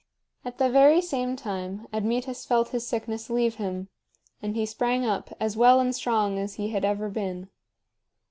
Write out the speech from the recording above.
At the very same time Admetus felt his sickness leave him, and he sprang up as well and strong as he had ever been.